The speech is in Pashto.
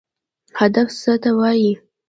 هدف څه ته وایي؟